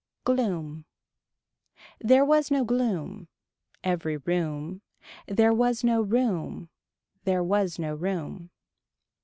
Gloom. There was no gloom. Every room. There was no room. There was no room.